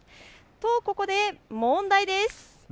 ここで問題です。